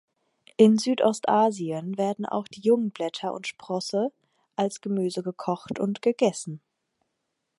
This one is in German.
In Südostasien werden auch die jungen Blätter und Sprosse als Gemüse gekocht und gegessen.